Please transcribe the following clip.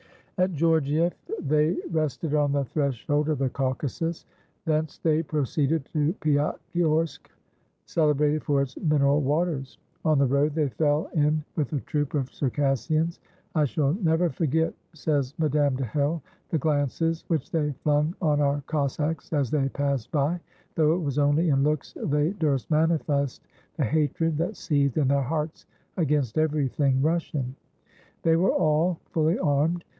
At Georgief they rested on the threshold of the Caucasus. Thence they proceeded to Piatigorsk, celebrated for its mineral waters. On the road they fell in with a troop of Circassians. "I shall never forget," says Madame de Hell, "the glances which they flung on our Cossacks as they passed by, though it was only in looks they durst manifest the hatred that seethed in their hearts against everything Russian. They were all fully armed.